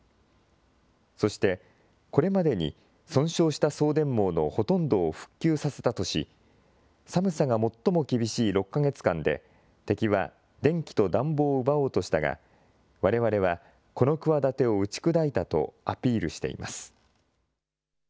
そして、これまでに損傷した送電網のほとんどを復旧させたとし、寒さが最も厳しい６か月間で、敵は電気と暖房を奪おうとしたが、われわれはこの企てを打ち砕いたとアピールしています。